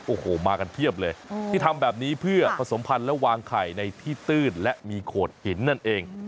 โอ้โหมากันเพียบเลยที่ทำแบบนี้เพื่อผสมพันธ์และวางไข่ในที่ตื้นและมีโขดหินนั่นเอง